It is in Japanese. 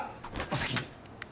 お先に。